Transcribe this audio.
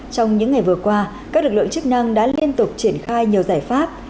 trong những ngày vừa qua các lực lượng chức năng đã liên tục triển khai nhiều giải pháp